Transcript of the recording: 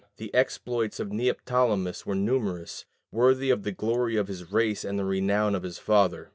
The exploits of Neoptolemus were numerous, worthy of the glory of his race and the renown of his father.